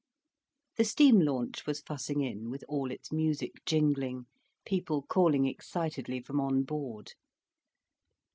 The steam launch was fussing in, all its music jingling, people calling excitedly from on board.